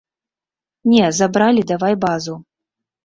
Не, забралі, давай базу.